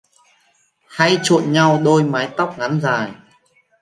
Hãy trộn nhau đôi mái tóc ngắn dài!